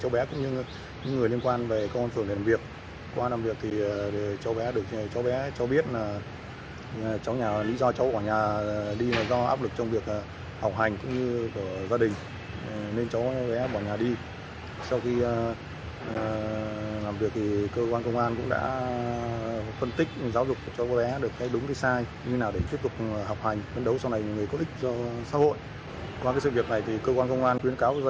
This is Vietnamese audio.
bước đầu xác định cháu gái bỏ nhà đi là do áp lực từ việc học hành và người thân